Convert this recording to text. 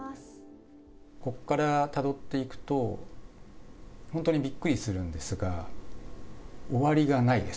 ここからたどっていくと、本当にびっくりするんですが、終わりがないです。